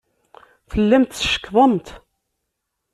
Tellamt tcekkḍemt.